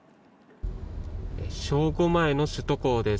正午前の首都高です。